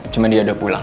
cuma dia udah pulang